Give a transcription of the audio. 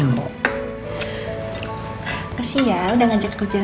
makasih ya udah ngajak kerjaan ya